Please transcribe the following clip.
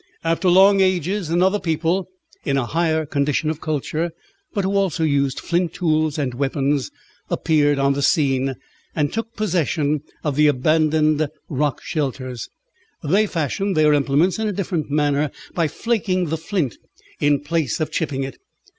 After long ages another people, in a higher condition of culture, but who also used flint tools and weapons, appeared on the scene, and took possession of the abandoned rock shelters. They fashioned their implements in a different manner by flaking the flint in place of chipping it.